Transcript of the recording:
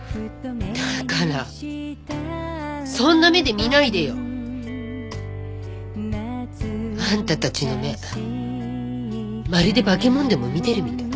だからそんな目で見ないでよ！あんたたちの目まるで化け物でも見てるみたい。